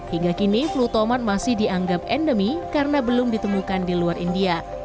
hingga kini flutoman masih dianggap endemi karena belum ditemukan di luar india